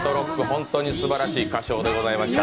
本当にすばらしい歌唱でした。